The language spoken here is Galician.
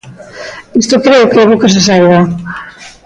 Isto creo que é bo que se saiba.